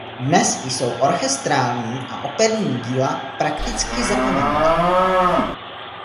Dnes jsou jeho orchestrální a operní díla prakticky zcela zapomenuta.